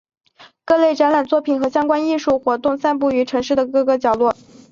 各类展览作品和相关的艺术活动散布于城市的各个角落。